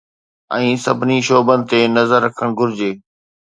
۽ سڀني شعبن تي نظر رکڻ گهرجي